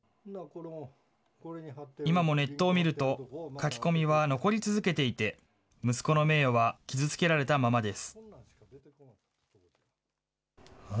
今もネットを見ると、書き込みは残り続けていて、息子の名誉は傷つけられたままです。